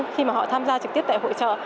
khi mà họ tham gia trực tiếp tại hội trợ